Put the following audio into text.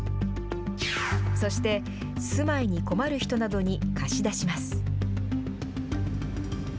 そして、住まいに困る人などに貸し出します。